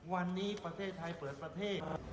วันนี้ประเทศไทยเปิดประเทศ